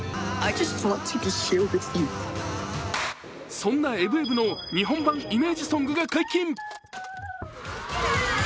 そんな「エブエブ」の日本版イメージソングが解禁。